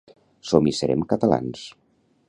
Som hi serem catalans